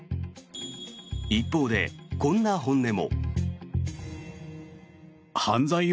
一方で、こんな本音も。